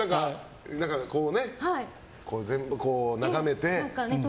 全部眺めてね。